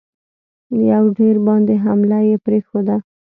پر دیر باندي حمله یې پرېښوده.